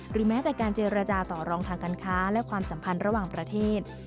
แม้แต่การเจรจาต่อรองทางการค้าและความสัมพันธ์ระหว่างประเทศ